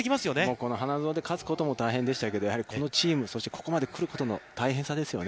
この花園で勝つことも大変でしたけど、やはりここまで来ることの大変さですよね。